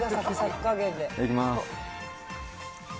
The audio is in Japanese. いただきます。